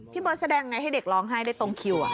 พี่บอสแสดงยังไงให้เด็กร้องไห้ได้ตรงคิวอ่ะ